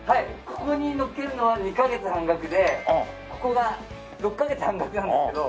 ここにのっけるのは２カ月半額でここが６カ月半額なんですけど。